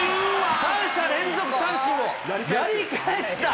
３者連続三振でやり返した。